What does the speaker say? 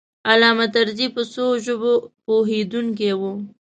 علامه طرزی په څو ژبو پوهېدونکی و.